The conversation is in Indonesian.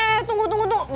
eh tunggu tunggu tunggu